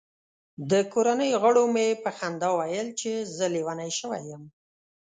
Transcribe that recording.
د کورنۍ غړو مې په خندا ویل چې زه لیونی شوی یم.